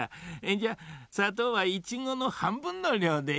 じゃさとうはイチゴのはんぶんのりょうでいいな。